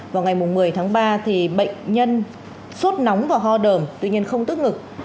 vào ngày một mươi tháng ba thì bệnh nhân sốt nóng và ho đờm tuy nhiên không tức ngực